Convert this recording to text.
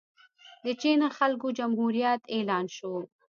د چین د خلکو جمهوریت اعلان شو.